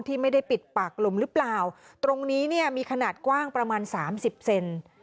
ที่ไม่ได้ปิดปากลมหรือเปล่าตรงนี้มีขนาดกว้างประมาณ๓๐เซน